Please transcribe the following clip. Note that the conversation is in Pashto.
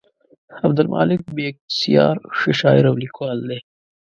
عبدالمالک بېکسیار ښه شاعر او لیکوال دی.